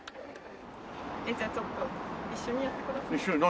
えっじゃあちょっと一緒にやってください。